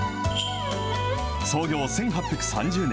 創業１８３０年。